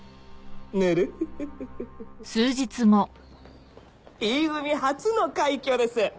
ヌルフフフフＥ組初の快挙です！